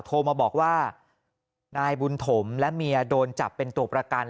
โทรมาบอกว่านายบุญถมและเมียโดนจับเป็นตัวประกัน